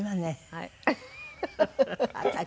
はい。